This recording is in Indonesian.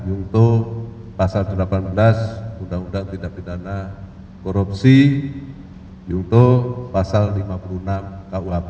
untuk pasal delapan belas undang undang tidak bidana korupsi untuk pasal lima puluh enam kuhb